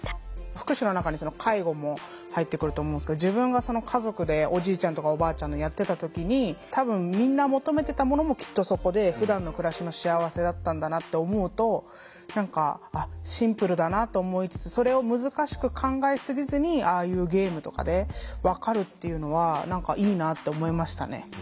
福祉の中に介護も入ってくると思うんですけど自分が家族でおじいちゃんとかおばあちゃんのをやってた時に多分みんな求めてたものもきっとそこで「ふだんの暮らしの幸せ」だったんだなって思うと何かシンプルだなと思いつつそれを難しく考えすぎずにああいうゲームとかで分かるっていうのは何かいいなって思いましたね。